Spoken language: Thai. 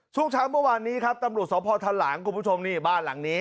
ช่วงเช้าเมื่อวานนี้ครับตำรวจสพทะหลางคุณผู้ชมนี่บ้านหลังนี้